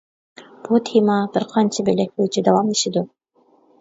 بۇ تېما بىر قانچە بۆلەك بويىچە داۋاملىشىدۇ.